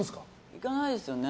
行かないですよね。